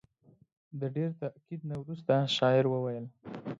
د ډېر تاکید نه وروسته شاعر وویل.